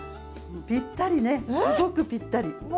ぴったりね、すごくぴったり。